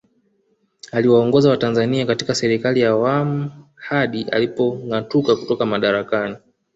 Aliwaongoza watanzania katika Serikali ya Awamu ya hadi alipongatuka kutoka madarakani